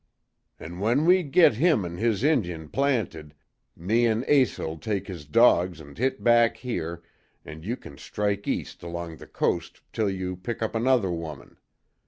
"An' when we git him an' his Injun planted, me an' Asa'll take his dogs an' hit back here, an' you kin strike east along the coast till you pick up another woman.